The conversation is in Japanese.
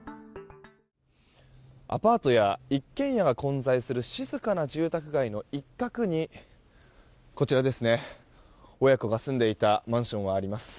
アパートや一軒家が混在する静かな住宅街の一角に親子が住んでいたマンションがあります。